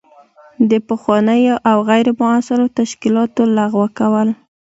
د پخوانیو او غیر مؤثرو تشکیلاتو لغوه کول.